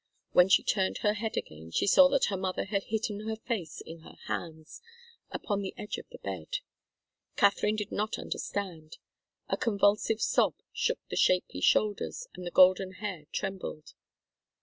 When she turned her head again, she saw that her mother had hidden her face in her hands upon the edge of the bed. Katharine did not understand. A convulsive sob shook the shapely shoulders, and the golden hair trembled.